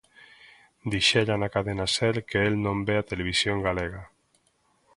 Dixera na Cadena Ser que el non ve a Televisión Galega.